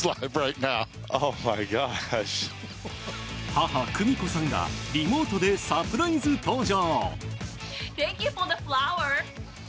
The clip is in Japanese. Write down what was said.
母・久美子さんがリモートでサプライズ登場。